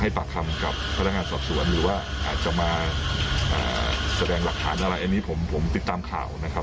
ปากคำกับพนักงานสอบสวนหรือว่าอาจจะมาแสดงหลักฐานอะไรอันนี้ผมผมติดตามข่าวนะครับ